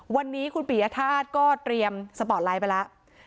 วันนี้คุณปียธาตุก็เตรียมสปอร์ตไลท์ไปแล้ว